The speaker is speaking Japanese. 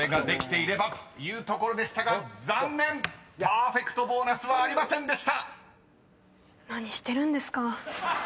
［パーフェクトボーナスはありませんでした］